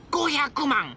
５００万！？